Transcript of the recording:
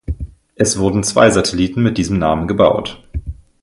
Es wurden zwei Satelliten mit diesem Namen gebaut.